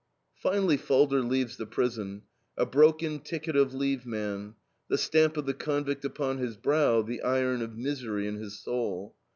Finally Falder leaves the prison, a broken ticket of leave man, the stamp of the convict upon his brow, the iron of misery in his soul.